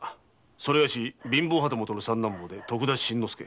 それがし貧乏旗本の三男坊で徳田新之助。